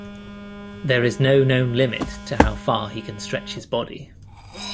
There is no known limit to how far he can stretch his body.